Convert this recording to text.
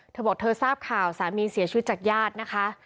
เธอบอกเธอทราบข่าวสามีเสียชีวิตจากญาตินะคะ